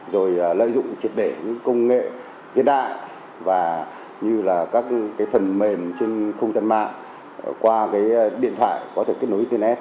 rồi lợi dụng triệt để những công nghệ hiện đại và như là các phần mềm trên không gian mạng qua cái điện thoại có thể kết nối internet